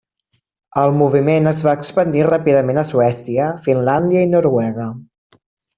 El moviment es va expandir ràpidament a Suècia, Finlàndia, i Noruega.